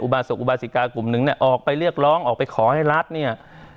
อุบาสกอุบาสิกากลุ่มหนึ่งนี่แหละออกไปเรียกร้องออกไปขอให้รัฐเนี่ย